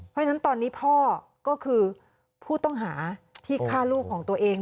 เพราะฉะนั้นตอนนี้พ่อก็คือผู้ต้องหาที่ฆ่าลูกของตัวเอง